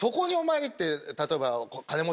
例えば。